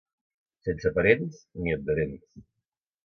Sense parents ni adherents